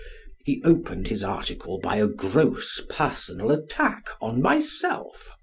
He opened his article by a gross personal attack on myself.